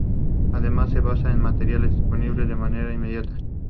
Su capital es la ciudad de Cagliari.